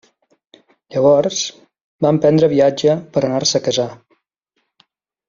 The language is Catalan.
Llavors, va emprendre viatge per anar-se a casar.